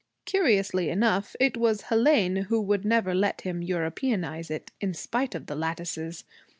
Curiously enough it was Hélène who would never let him Europeanize it, in spite of the lattices.